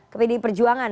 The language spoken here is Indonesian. ke pdi perjuangan